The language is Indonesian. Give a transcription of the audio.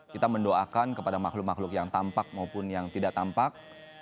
kita mendoakan kepada makhluk makhluk yang tampak maupun yang tidak tampak